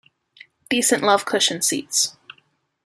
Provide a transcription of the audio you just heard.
Decent love cushion seats.